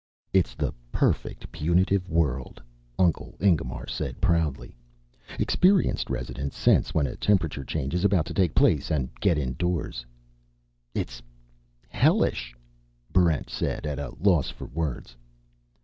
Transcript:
"It's the perfect punitive world," Uncle Ingemar said proudly. "Experienced residents sense when a temperature change is about to take place and get indoors." "It's hellish," Barrent said, at a loss for words.